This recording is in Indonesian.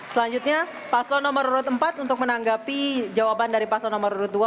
selanjutnya paslo nomor empat untuk menanggapi jawaban dari paslo nomor dua